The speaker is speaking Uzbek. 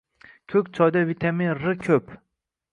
Ko‘k choyda vitamin R ko‘p.